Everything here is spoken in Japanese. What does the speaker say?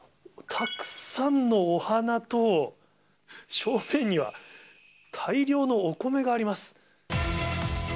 たくさんのお花と、正面には、大量のお米があります。